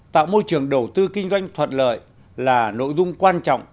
tạo môi trường đầu tư kinh doanh thuận lợi là nội dung quan trọng